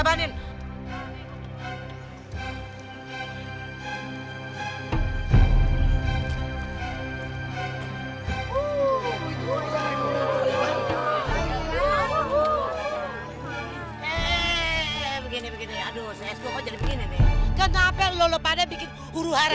hai uh uh uh uh eh begini begini aduh saya sudah begini kenapa lo pada bikin huru hara